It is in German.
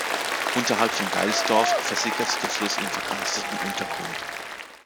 Unterhalb von Geilsdorf versickert der Fluss im verkarsteten Untergrund.